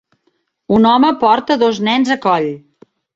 Un home porta dos nens a coll.